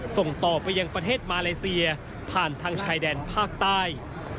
ส่งต่อไปยังประเทศมาเลเซียผ่านทางชายแดนภาคใต้